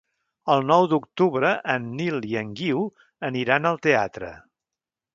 El nou d'octubre en Nil i en Guiu aniran al teatre.